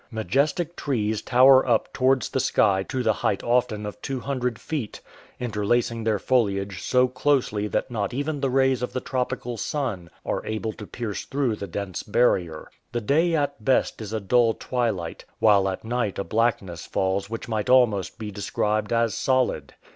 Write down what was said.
Majestic trees tower up towards the sky to the height often of 200 feet, interlacing their foliage so closely that not even the rays of the tropical sun are able to pierce through the dense barrier. The day at best is a dull twilight, while at night a blackness falls which might almost be described as solid.